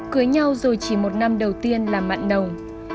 cưới nhau rồi chỉ một năm đầu tiên là mặn nồng